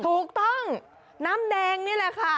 ถูกต้องน้ำแดงนี่แหละค่ะ